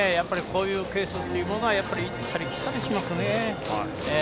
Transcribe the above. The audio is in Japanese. こういうケースというのは行ったり来たりしますね。